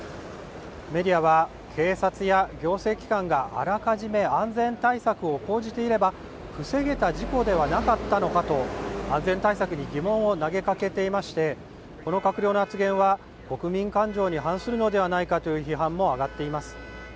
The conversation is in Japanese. メディアは警察や行政機関があらかじめ安全対策を講じていれば防げた事故ではなかったのかと安全対策に疑問を投げかけていましてこの閣僚の発言は国民感情に反するのではないかという批判も上がっています。